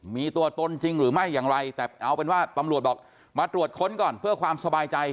มีตัวตนจริงหรือไม่อย่างไรแต่เอาเป็นว่าตำรวจบอกมาตรวจค้นก่อนเพื่อความสบายใจ